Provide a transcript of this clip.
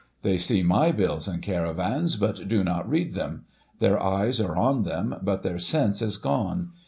* They see my bills and caravans, but do not read them ; their eyes are on them, but their sense is gone.